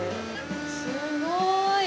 すごーい。